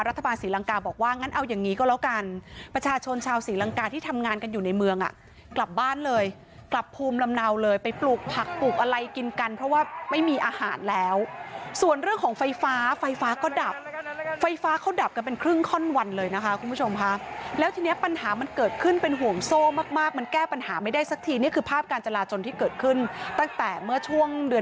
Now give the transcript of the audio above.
รัฐบาลศรีลังกาบอกว่างั้นเอาอย่างนี้ก็แล้วกันประชาชนชาวศรีลังกาที่ทำงานกันอยู่ในเมืองกลับบ้านเลยกลับภูมิลำเนาเลยไปปลูกผักปลูกอะไรกินกันเพราะว่าไม่มีอาหารแล้วส่วนเรื่องของไฟฟ้าไฟฟ้าก็ดับไฟฟ้าเขาดับกันเป็นครึ่งข้อนวันเลยนะคะคุณผู้ชมค่ะแล้วทีนี้ปัญหามันเกิดขึ้นเป